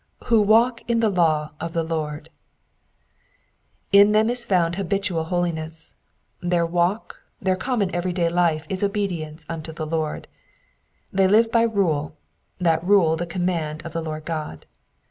TFA<? fcalk in the law of the Lord." In them is found habitual holiness. Their walk, their common everyday life is obedience unto the Lord. They live by rule, that rule the conmiand of the Lord God.